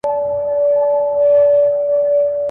مرغکیو به نارې پسي وهلې.